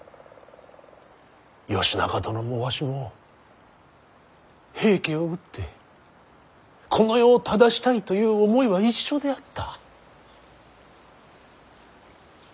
義仲殿もわしも平家を討ってこの世を正したいという思いは一緒であった。